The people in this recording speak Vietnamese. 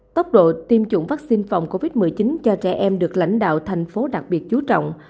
tốc độ tiêm chủng vaccine phòng covid một mươi chín cho trẻ em được lãnh đạo thành phố đặc biệt chú trọng